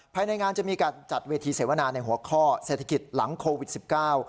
ภายในงานจะมีการจัดเวทีเสวนาในหัวข้อเศรษฐกิจหลังโควิดสิบเก้า